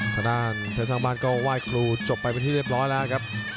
ทางด้านเพชรสร้างบ้านก็ไหว้ครูจบไปเป็นที่เรียบร้อยแล้วครับ